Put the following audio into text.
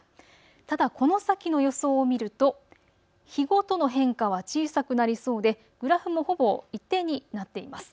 ただ、この先の予想を見ると日ごとの変化は小さくなりそうでグラフもほぼ一定になっています。